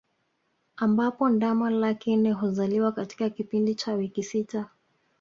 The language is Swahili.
Ambapo ndama laki nne huzaliwa katika kipindi cha wiki sita